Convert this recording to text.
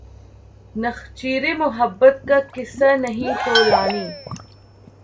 نخچیر محبت کا قصہ نہیں طولانی